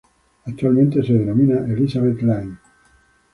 Actualmente se denomina Elizabeth Line.